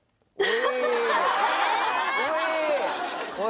おい